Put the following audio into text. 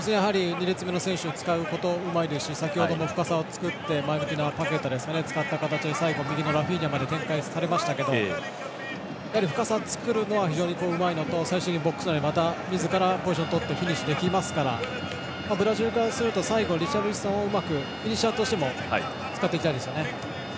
２列目の選手を使うことうまいですし先ほどの深さを作って前向きのパケタを使って最終的に右のラフィーニャまで展開されましたけどやはり深さを作るのは非常にうまいのと最終的にボックス内にみずからポジションとってフィニッシュできますからブラジルからすると最後、リシャルリソンをうまくフィニッシャーとしても使っていきたいですよね。